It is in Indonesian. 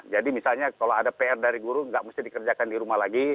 jadi misalnya kalau ada pr dari guru nggak mesti dikerjakan di rumah lagi